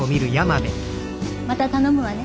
また頼むわね。